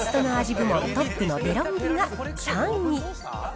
部門トップのデロンギが３位。